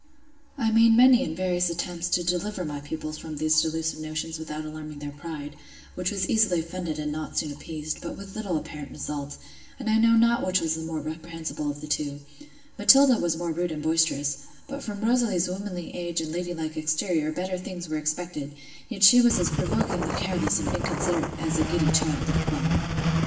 I made many and various attempts to deliver my pupils from these delusive notions without alarming their pride—which was easily offended, and not soon appeased—but with little apparent result; and I know not which was the more reprehensible of the two: Matilda was more rude and boisterous; but from Rosalie's womanly age and lady like exterior better things were expected: yet she was as provokingly careless and inconsiderate as a giddy child of twelve.